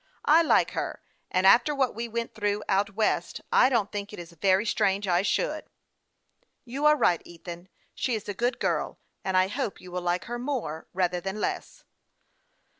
" I like her, and after what \ve went through out west, I don't think it is very strange I should." " You are right, Ethan. She is a good girl, and I hope you will like her more, rather than less."